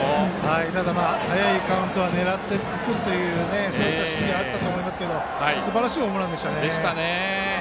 ただ、早いカウント狙っていくというそういった指示があったと思いますがすばらしいホームランでしたね。